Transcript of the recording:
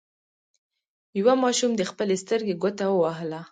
یوه ماشوم د خپلې سترګې ګوته ووهله.